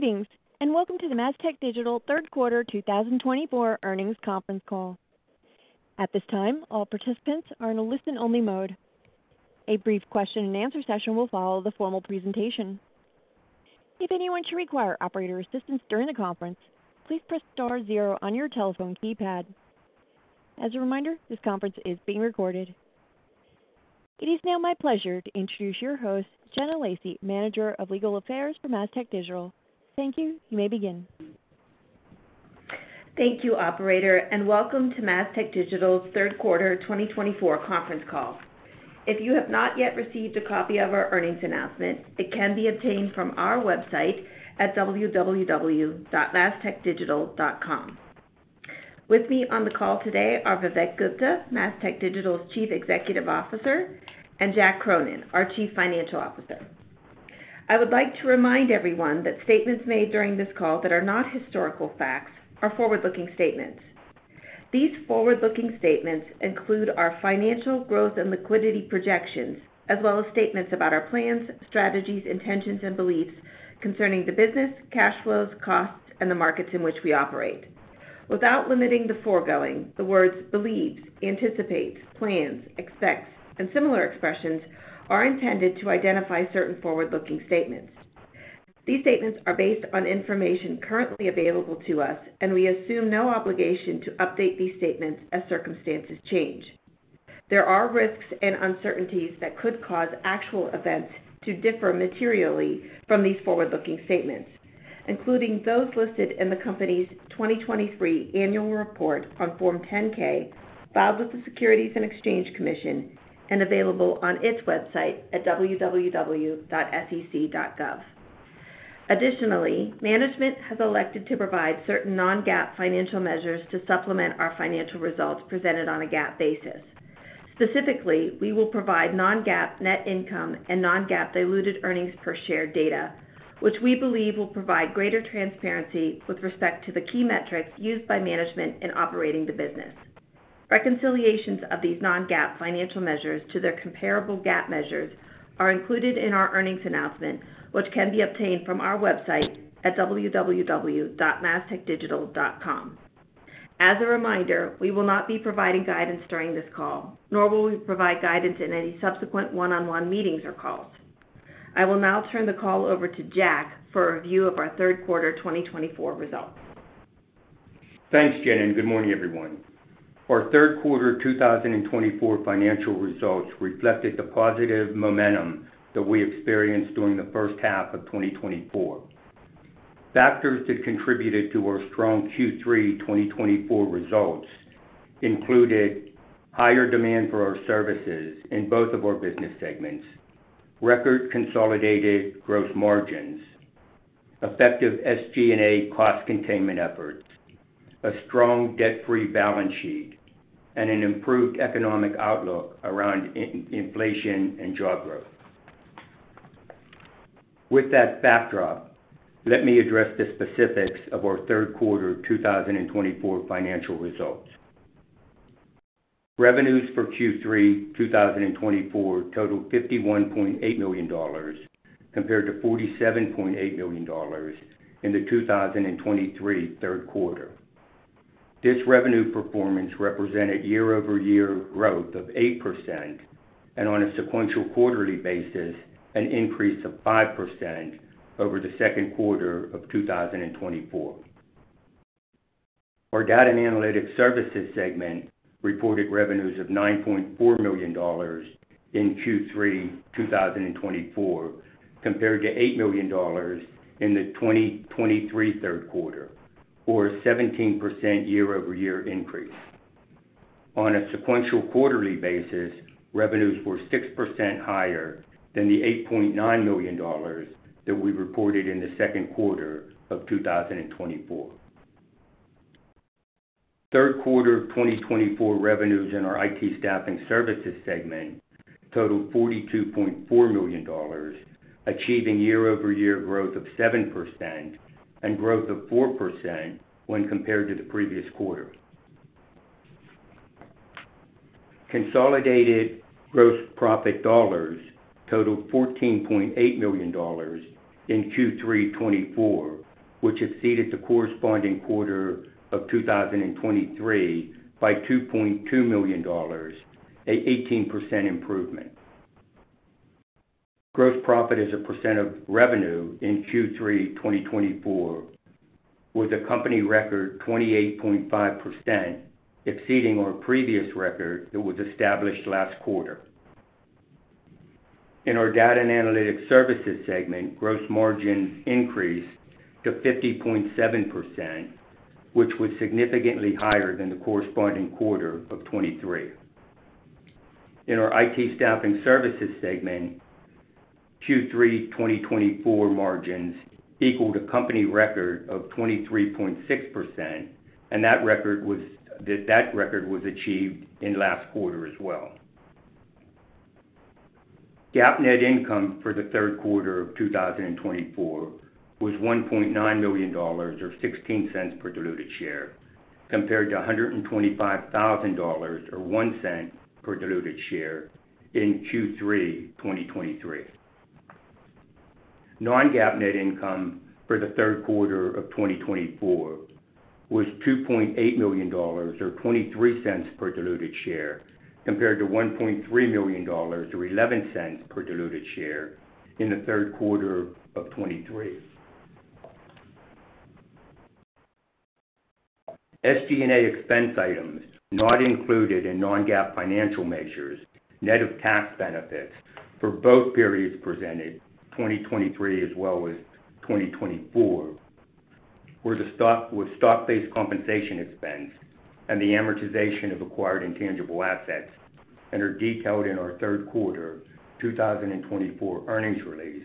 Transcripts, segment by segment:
Greetings, and welcome to the Mastech Digital Third Quarter 2024 Earnings Conference Call. At this time, all participants are in a listen-only mode. A brief question-and-answer session will follow the formal presentation. If anyone should require operator assistance during the conference, please press star zero on your telephone keypad. As a reminder, this conference is being recorded. It is now my pleasure to introduce your host, Jenna Lacey, Manager of Legal Affairs for Mastech Digital. Thank you. You may begin. Thank you, Operator, and welcome to Mastech Digital's Third Quarter 2024 Conference Call. If you have not yet received a copy of our earnings announcement, it can be obtained from our website at www.mastechdigital.com. With me on the call today are Vivek Gupta, Mastech Digital's Chief Executive Officer, and Jack Cronin, our Chief Financial Officer. I would like to remind everyone that statements made during this call that are not historical facts are forward-looking statements. These forward-looking statements include our financial growth and liquidity projections, as well as statements about our plans, strategies, intentions, and beliefs concerning the business, cash flows, costs, and the markets in which we operate. Without limiting the foregoing, the words believes, anticipates, plans, expects, and similar expressions are intended to identify certain forward-looking statements. These statements are based on information currently available to us, and we assume no obligation to update these statements as circumstances change. There are risks and uncertainties that could cause actual events to differ materially from these forward-looking statements, including those listed in the company's 2023 annual report on Form 10-K filed with the Securities and Exchange Commission and available on its website at www.sec.gov. Additionally, management has elected to provide certain non-GAAP financial measures to supplement our financial results presented on a GAAP basis. Specifically, we will provide non-GAAP net income and non-GAAP diluted earnings per share data, which we believe will provide greater transparency with respect to the key metrics used by management in operating the business. Reconciliations of these non-GAAP financial measures to their comparable GAAP measures are included in our earnings announcement, which can be obtained from our website at www.mastechdigital.com. As a reminder, we will not be providing guidance during this call, nor will we provide guidance in any subsequent one-on-one meetings or calls. I will now turn the call over to Jack for a review of our Third Quarter 2024 results. Thanks, Jenny. And good morning, everyone. Our Third Quarter 2024 financial results reflected the positive momentum that we experienced during the first half of 2024. Factors that contributed to our strong Q3 2024 results included higher demand for our services in both of our business segments, record consolidated gross margins, effective SG&A cost containment efforts, a strong debt-free balance sheet, and an improved economic outlook around inflation and job growth. With that backdrop, let me address the specifics of our Third Quarter 2024 financial results. Revenues for Q3 2024 totaled $51.8 million compared to $47.8 million in the 2023 third quarter. This revenue performance represented year-over-year growth of 8% and, on a sequential quarterly basis, an increase of 5% over the second quarter of 2024. Our data and analytic services segment reported revenues of $9.4 million in Q3 2024 compared to $8 million in the 2023 third quarter, or a 17% year-over-year increase. On a sequential quarterly basis, revenues were 6% higher than the $8.9 million that we reported in the second quarter of 2024. Third Quarter 2024 revenues in our IT staffing services segment totaled $42.4 million, achieving year-over-year growth of 7% and growth of 4% when compared to the previous quarter. Consolidated gross profit dollars totaled $14.8 million in Q3 2024, which exceeded the corresponding quarter of 2023 by $2.2 million, an 18% improvement. Gross profit as a percent of revenue in Q3 2024 was a company record 28.5%, exceeding our previous record that was established last quarter. In our data and analytic services segment, gross margins increased to 50.7%, which was significantly higher than the corresponding quarter of 2023. In our IT staffing services segment, Q3 2024 margins equaled a company record of 23.6%, and that record was achieved in last quarter as well. GAAP net income for the third quarter of 2024 was $1.9 million or $0.16 per diluted share, compared to $125,000 or $0.01 per diluted share in Q3 2023. Non-GAAP net income for the third quarter of 2024 was $2.8 million or $0.23 per diluted share, compared to $1.3 million or $0.11 per diluted share in the third quarter of 2023. SG&A expense items not included in non-GAAP financial measures net of tax benefits for both periods presented, 2023 as well as 2024, were the stock-based compensation expense and the amortization of acquired intangible assets and are detailed in our Third Quarter 2024 earnings release,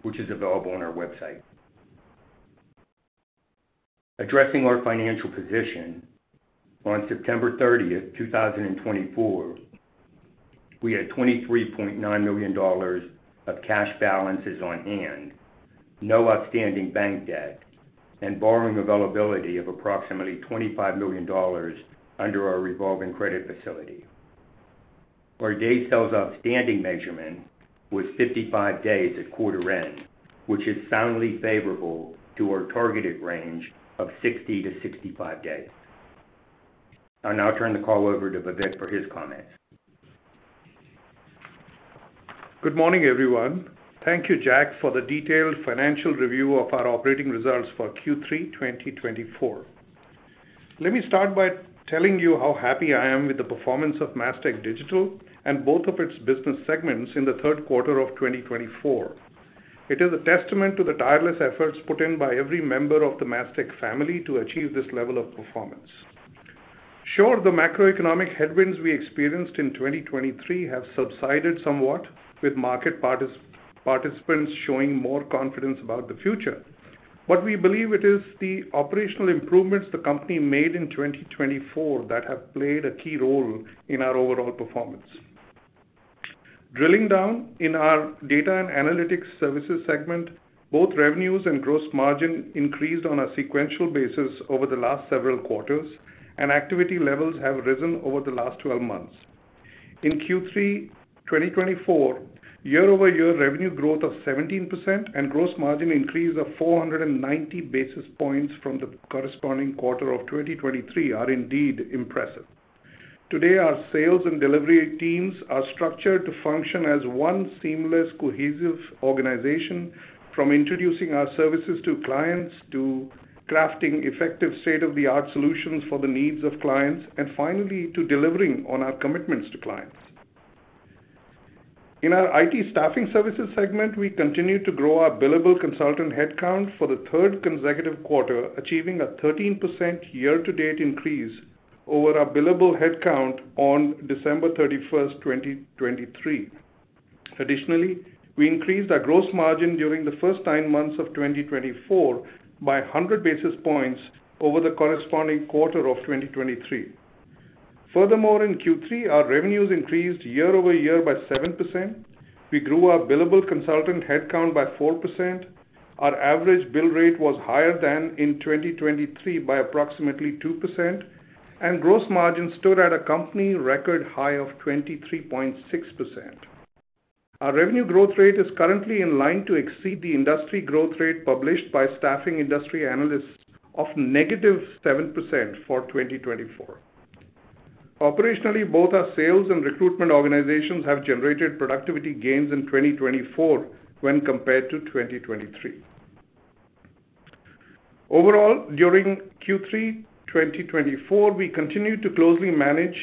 which is available on our website. Addressing our financial position, on September 30th, 2024, we had $23.9 million of cash balances on hand, no outstanding bank debt, and borrowing availability of approximately $25 million under our revolving credit facility. Our Days Sales Outstanding measurement was 55 days at quarter end, which is soundly favorable to our targeted range of 60-65 days. I'll now turn the call over to Vivek for his comments. Good morning, everyone. Thank you, Jack, for the detailed financial review of our operating results for Q3 2024. Let me start by telling you how happy I am with the performance of Mastech Digital and both of its business segments in the third quarter of 2024. It is a testament to the tireless efforts put in by every member of the Mastech family to achieve this level of performance. Sure, the macroeconomic headwinds we experienced in 2023 have subsided somewhat, with market participants showing more confidence about the future, but we believe it is the operational improvements the company made in 2024 that have played a key role in our overall performance. Drilling down in our data and analytic services segment, both revenues and gross margin increased on a sequential basis over the last several quarters, and activity levels have risen over the last 12 months. In Q3 2024, year-over-year revenue growth of 17% and gross margin increase of 490 basis points from the corresponding quarter of 2023 are indeed impressive. Today, our sales and delivery teams are structured to function as one seamless, cohesive organization, from introducing our services to clients to crafting effective state-of-the-art solutions for the needs of clients, and finally to delivering on our commitments to clients. In our IT staffing services segment, we continue to grow our billable consultant headcount for the third consecutive quarter, achieving a 13% year-to-date increase over our billable headcount on December 31st, 2023. Additionally, we increased our gross margin during the first nine months of 2024 by 100 basis points over the corresponding quarter of 2023. Furthermore, in Q3, our revenues increased year-over-year by 7%. We grew our billable consultant headcount by 4%. Our average bill rate was higher than in 2023 by approximately 2%, and gross margin stood at a company record high of 23.6%. Our revenue growth rate is currently in line to exceed the industry growth rate published by Staffing Industry Analysts of negative 7% for 2024. Operationally, both our sales and recruitment organizations have generated productivity gains in 2024 when compared to 2023. Overall, during Q3 2024, we continued to closely manage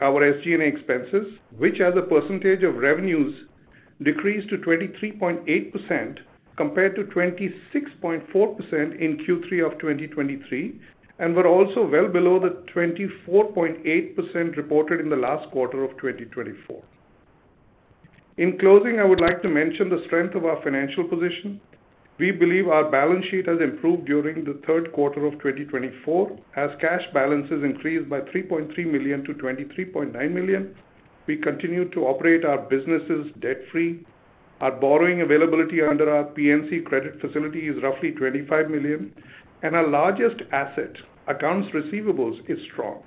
our SG&A expenses, which, as a percentage of revenues, decreased to 23.8% compared to 26.4% in Q3 of 2023, and were also well below the 24.8% reported in the last quarter of 2024. In closing, I would like to mention the strength of our financial position. We believe our balance sheet has improved during the third quarter of 2024, as cash balances increased by $3.3 million-$23.9 million. We continue to operate our businesses debt-free. Our borrowing availability under our PNC credit facility is roughly $25 million, and our largest asset, accounts receivables, is strong.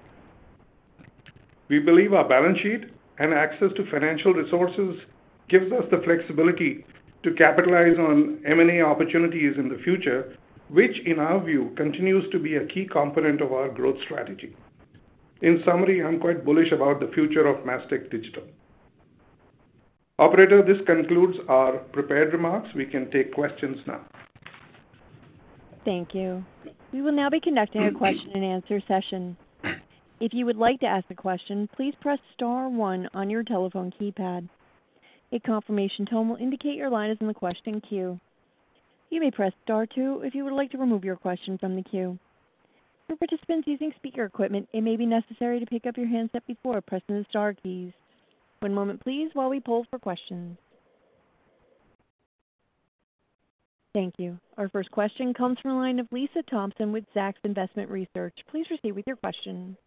We believe our balance sheet and access to financial resources gives us the flexibility to capitalize on M&A opportunities in the future, which, in our view, continues to be a key component of our growth strategy. In summary, I'm quite bullish about the future of Mastech Digital. Operator, this concludes our prepared remarks. We can take questions now. Thank you. We will now be conducting a question-and-answer session. If you would like to ask a question, please press star one on your telephone keypad. A confirmation tone will indicate your line is in the question queue. You may press star two if you would like to remove your question from the queue. For participants using speaker equipment, it may be necessary to pick up your handset before pressing the star keys. One moment, please, while we pull for questions. Thank you. Our first question comes from a line of Lisa Thompson with Zacks Investment Research. Please proceed with your question.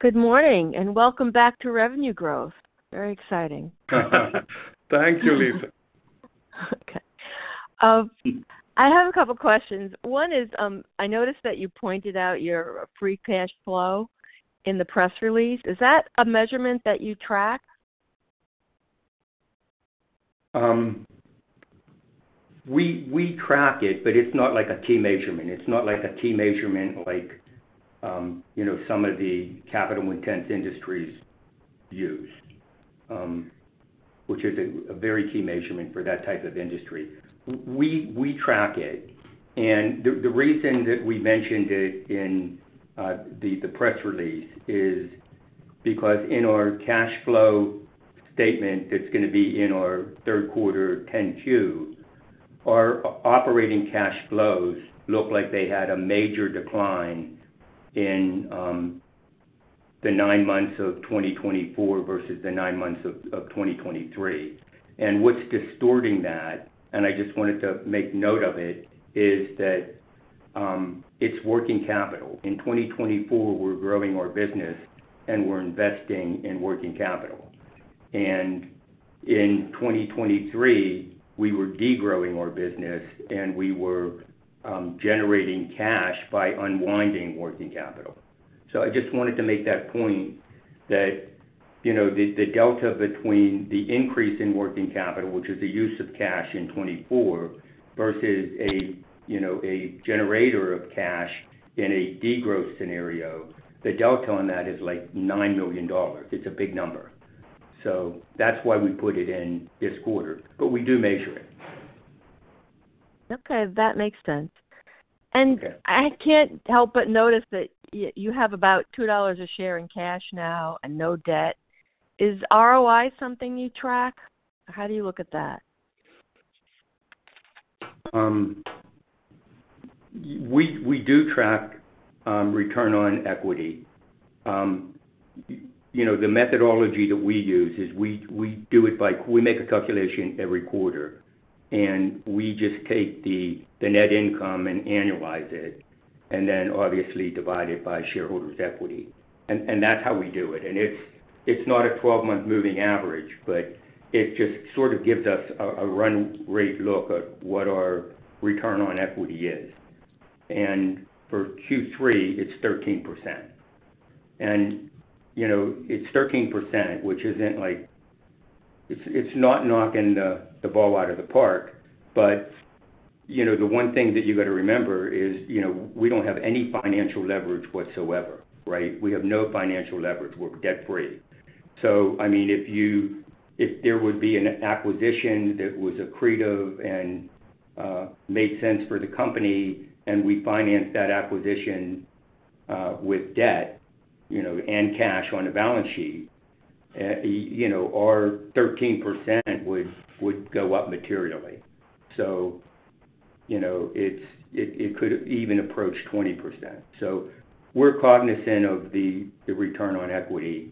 Good morning, and welcome back to Revenue Growth. Very exciting. Thank you, Lisa. Okay. I have a couple of questions. One is, I noticed that you pointed out your free cash flow in the press release. Is that a measurement that you track? We track it, but it's not like a key measurement. It's not like a key measurement like some of the capital-intensive industries use, which is a very key measurement for that type of industry. We track it and the reason that we mentioned it in the press release is because in our cash flow statement that's going to be in our third quarter 10-Q, our operating cash flows look like they had a major decline in the nine months of 2024 versus the nine months of 2023. And what's distorting that, and I just wanted to make note of it, is that it's working capital. In 2024, we're growing our business, and we're investing in working capital and in 2023, we were degrowing our business, and we were generating cash by unwinding working capital. So I just wanted to make that point that the delta between the increase in working capital, which is the use of cash in 2024 versus a generator of cash in a degrowth scenario, the delta on that is like $9 million. It's a big number. So that's why we put it in this quarter. But we do measure it. Okay. That makes sense, and I can't help but notice that you have about $2 a share in cash now and no debt. Is ROI something you track? How do you look at that? We do track return on equity. The methodology that we use is we do it by, we make a calculation every quarter, and we just take the net income and annualize it, and then, obviously, divide it by shareholders' equity, and that's how we do it, and it's not a 12-month moving average, but it just sort of gives us a run-rate look at what our return on equity is, and for Q3, it's 13%, and it's 13%, which isn't, like, it's not knocking the ball out of the park, but the one thing that you got to remember is we don't have any financial leverage whatsoever, right? We have no financial leverage. We're debt-free. So, I mean, if there would be an acquisition that was accretive and made sense for the company, and we financed that acquisition with debt and cash on the balance sheet, our 13% would go up materially. So it could even approach 20%. So we're cognizant of the return on equity.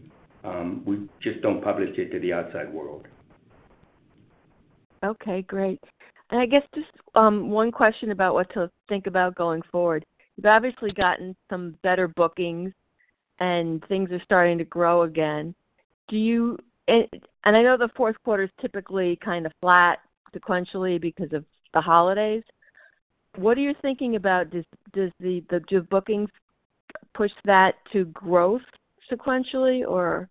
We just don't publish it to the outside world. Okay. Great. And I guess just one question about what to think about going forward. You've obviously gotten some better bookings, and things are starting to grow again. And I know the fourth quarter is typically kind of flat sequentially because of the holidays. What are you thinking about? Does the bookings push that to growth sequentially, or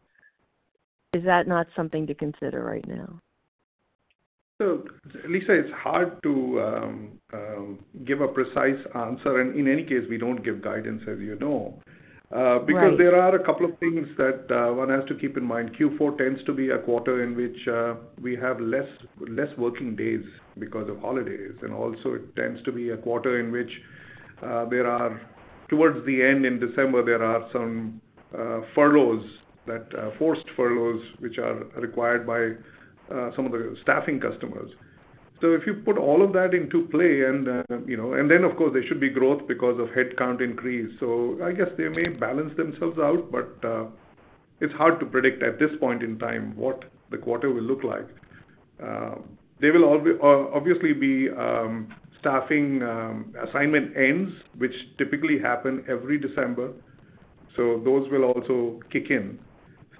is that not something to consider right now? So Lisa, it's hard to give a precise answer. And in any case, we don't give guidance, as you know, because there are a couple of things that one has to keep in mind. Q4 tends to be a quarter in which we have less working days because of holidays. And also, it tends to be a quarter in which there are, towards the end in December, there are some furloughs, forced furloughs, which are required by some of the staffing customers. So if you put all of that into play, and then, of course, there should be growth because of headcount increase. So I guess they may balance themselves out, but it's hard to predict at this point in time what the quarter will look like. There will obviously be staffing assignment ends, which typically happen every December. So those will also kick in.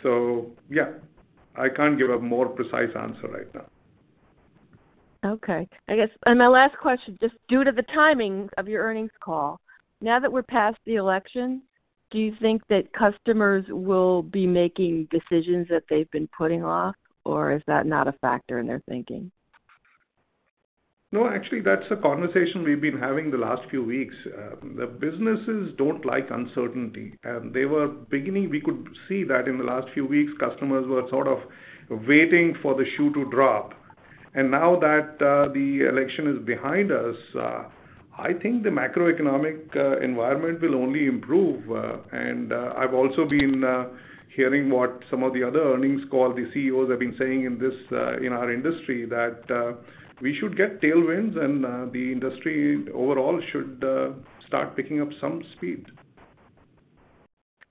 So yeah, I can't give a more precise answer right now. Okay. I guess my last question, just due to the timing of your earnings call, now that we're past the election, do you think that customers will be making decisions that they've been putting off, or is that not a factor in their thinking? No, actually, that's a conversation we've been having the last few weeks. The businesses don't like uncertainty. And we could see that in the last few weeks. Customers were sort of waiting for the shoe to drop. And now that the election is behind us, I think the macroeconomic environment will only improve. And I've also been hearing what some of the other earnings call, the CEOs, have been saying in our industry that we should get tailwinds, and the industry overall should start picking up some speed.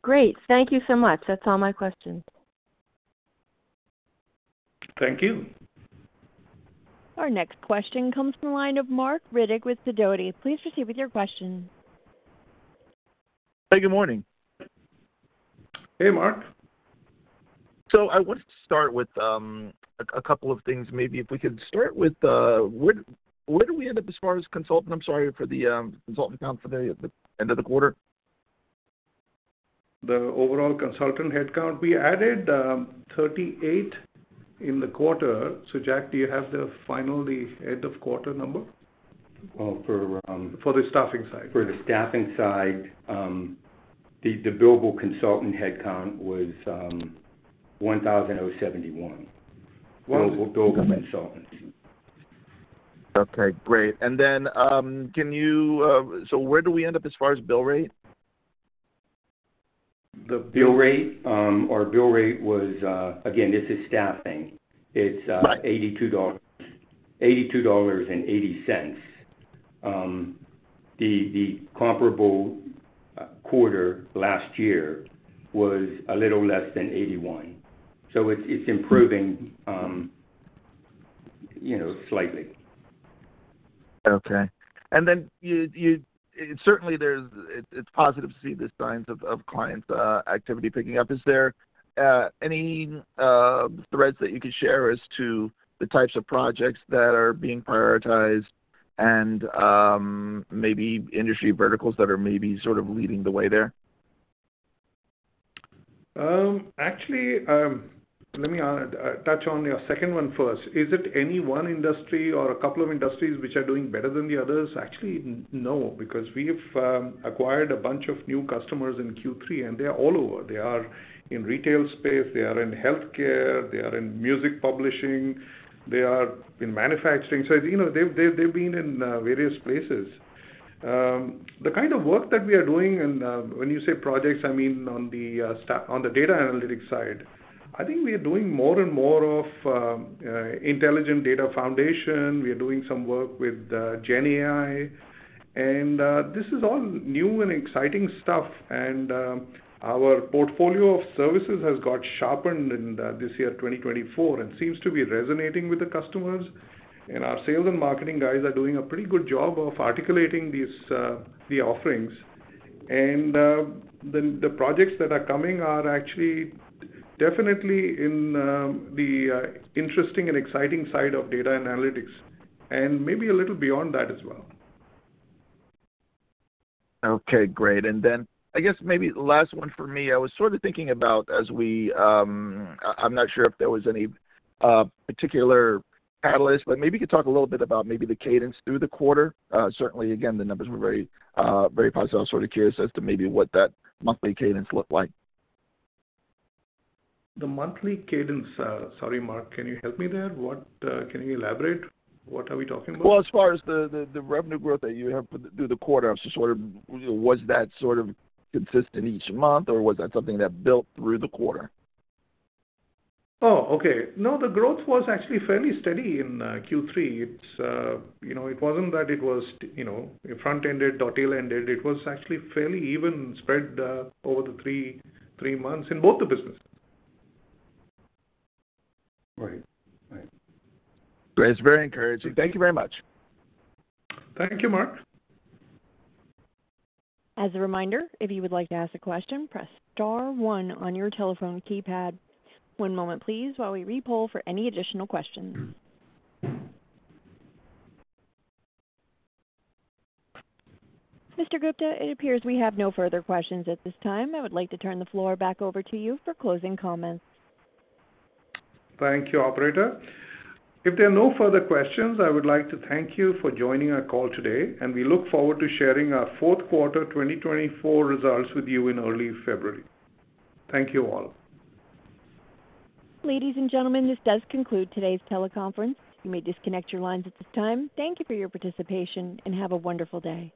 Great. Thank you so much. That's all my questions. Thank you. Our next question comes from the line of Marc Riddick with Sidoti. Please proceed with your question. Hi. Good morning. Hey, Marc. So I wanted to start with a couple of things. Maybe if we could start with where did we end up as far as consultant? I'm sorry for the consultant count for the end of the quarter. The overall consultant headcount, we added 38 in the quarter, so Jack, do you have the final, the end-of-quarter number? Well, for. For the staffing side. For the staffing side, the billable consultant headcount was 1,071 billable consultants. Okay. Great. And then can you say where do we end up as far as bill rate? The bill rate or bill rate was, again, this is staffing. It's $82.80. The comparable quarter last year was a little less than $81. So it's improving slightly. Okay, and then certainly, it's positive to see the signs of client activity picking up. Is there any threads that you could share as to the types of projects that are being prioritized and maybe industry verticals that are maybe sort of leading the way there? Actually, let me touch on your second one first. Is it any one industry or a couple of industries which are doing better than the others? Actually, no, because we've acquired a bunch of new customers in Q3, and they're all over. They are in retail space. They are in healthcare. They are in music publishing. They are in manufacturing. So they've been in various places. The kind of work that we are doing, and when you say projects, I mean on the data analytics side, I think we are doing more and more of intelligent data foundation. We are doing some work with GenAI. And this is all new and exciting stuff. And our portfolio of services has got sharpened in this year, 2024, and seems to be resonating with the customers. And our sales and marketing guys are doing a pretty good job of articulating the offerings. And then the projects that are coming are actually definitely in the interesting and exciting side of data analytics and maybe a little beyond that as well. Okay. Great. And then I guess maybe the last one for me, I was sort of thinking about, I'm not sure if there was any particular catalyst, but maybe you could talk a little bit about maybe the cadence through the quarter. Certainly, again, the numbers were very positive, sort of curious as to maybe what that monthly cadence looked like. The monthly cadence, sorry, Marc, can you help me there? Can you elaborate? What are we talking about? As far as the revenue growth that you have through the quarter, was that sort of consistent each month, or was that something that built through the quarter? Oh, okay. No, the growth was actually fairly steady in Q3. It wasn't that it was front-ended, tail-ended. It was actually fairly even spread over the three months in both the businesses. Right. Right. It's very encouraging. Thank you very much. Thank you, Marc. As a reminder, if you would like to ask a question, press star one on your telephone keypad. One moment, please, while we repoll for any additional questions. Mr. Gupta, it appears we have no further questions at this time. I would like to turn the floor back over to you for closing comments. Thank you, Operator. If there are no further questions, I would like to thank you for joining our call today, and we look forward to sharing our fourth quarter 2024 results with you in early February. Thank you all. Ladies and gentlemen, this does conclude today's teleconference. You may disconnect your lines at this time. Thank you for your participation, and have a wonderful day.